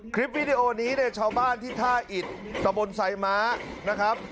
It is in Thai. คลิปวิดีโอนี้เนี่ยชาวบ้านที่ท่าอิดตะบนไซม้านะครับ